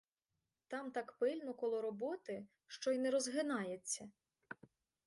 Там так пильнує коло роботи, що й не розгинається.